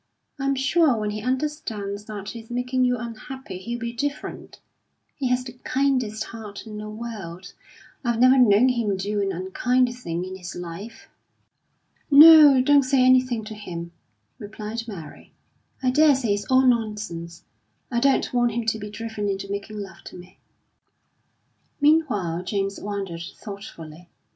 I'm sure when he understands that he's making you unhappy, he'll be different. He has the kindest heart in the world; I've never known him do an unkind thing in his life." "No, don't say anything to him," replied Mary. "I daresay it's all nonsense. I don't want him to be driven into making love to me." Meanwhile James wandered thoughtfully.